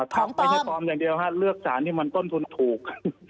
ทำไม่ได้ปลอมอย่างเดียวเลือกสารที่มันต้นทุนถูก